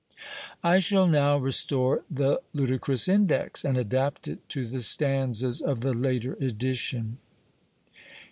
I shall now restore the ludicrous INDEX, and adapt it to the stanzas of the later edition.